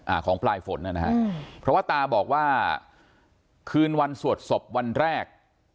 อ่าของปลายฝนเนี่ยนะคะเพราะว่าตาบอกว่าคืนวันสวดศพวันแรก